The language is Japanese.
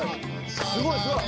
すごいすごい！